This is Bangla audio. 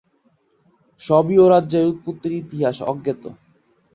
সাবীয় রাজ্যের উৎপত্তির ইতিহাস অজ্ঞাত।